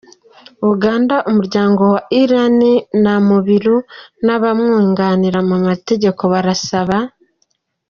Uganda, umuryango wa Iryn Namubiru nabamwunganira mu mategeko barasaba.